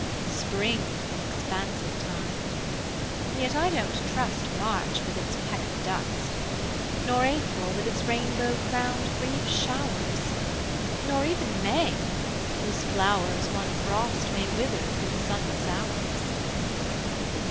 Spring's an expansive time: yet I don't trust March with its peck of dust, Nor April with its rainbow crowned brief showers, Nor even May, whose flowers One frost may wither through the sunless hours.